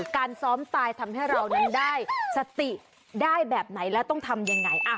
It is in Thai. การซ้อมตายทำให้เรานั้นได้สติได้แบบไหนแล้วต้องทำยังไง